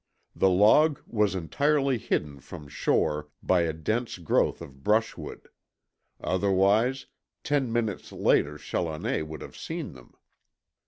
The log was entirely hidden from shore by a dense growth of brushwood. Otherwise, ten minutes later Challoner would have seen them.